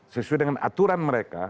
sesuai dengan aturan mereka